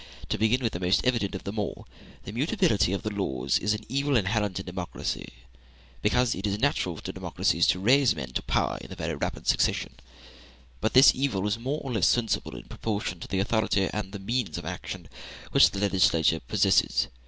To begin with the most evident of them all; the mutability of the laws is an evil inherent in democratic government, because it is natural to democracies to raise men to power in very rapid succession. But this evil is more or less sensible in proportion to the authority and the means of action which the legislature possesses.